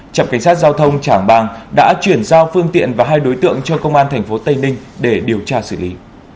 trạm cảnh sát giao thông trảng bàng đã chuyển giao phương tiện và hai đối tượng cho công an tp tây ninh để điều tra xử lý